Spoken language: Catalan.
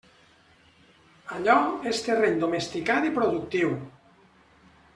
Allò és terreny domesticat i productiu.